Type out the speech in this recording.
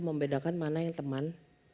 membedakan mana yang teman